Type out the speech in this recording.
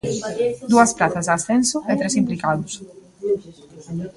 Dúas prazas de ascenso e tres implicados.